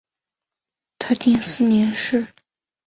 泰定四年事。